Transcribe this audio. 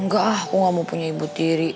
nggak aku gak mau punya ibu tiri